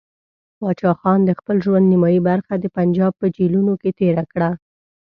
پاچا خان د خپل ژوند نیمایي برخه د پنجاب په جیلونو کې تېره کړه.